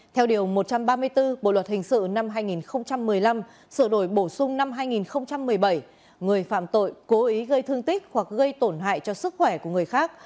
theo điều một trăm ba mươi bốn bộ luật hình sự năm hai nghìn một mươi năm sửa đổi bổ sung năm hai nghìn một mươi bảy người phạm tội cố ý gây thương tích hoặc gây tổn hại cho sức khỏe của người khác